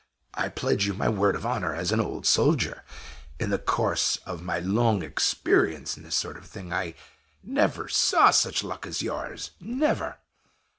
I pledge you my word of honor, as an old soldier, in the course of my long experience in this sort of thing, I never saw such luck as yours never!